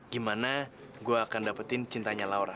gimana gue akan dapetin cintanya laura